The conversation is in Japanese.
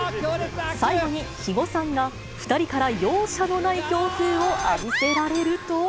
最後に肥後さんが、２人から容赦のない強風を浴びせられると。